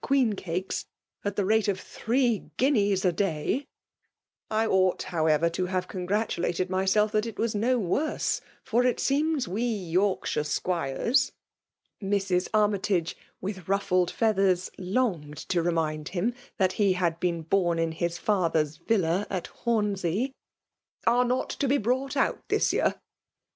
queencakes, at the rate of three guineas a day; I ought, however, to have congratulated my acif that it was no worse; for it seems we Yodoshire squires*' — (Mrs. Armytage, wMl ruffled feathers, longed to remind him that he had been bom in bis father's villa at Homsey) —*' are to be brought out this year.